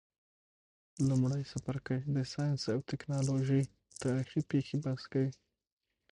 لمړی څپرکی د ساینس او تکنالوژۍ تاریخي پیښي بحث کوي.